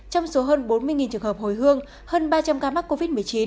trong số hơn bốn mươi trường hợp hồi hương hơn ba trăm linh ca mắc covid một mươi chín